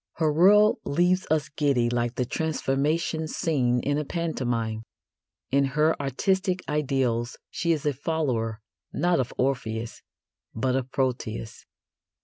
Her world leaves us giddy like the transformation scene in a pantomime. In her artistic ideals she is a follower, not of Orpheus, but of Proteus.